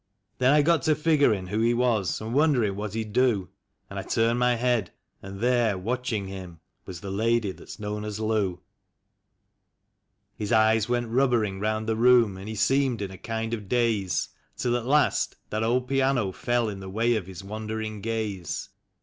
Then I got to figgering who he was, and wondering what he'd do. And I turned my head — and there watching him was the lady that's known as Lou. His e3'es went rubbering round the room, and he seemed in a kind of daze, Till at last that old piano fell in the way of his wan dering gaze.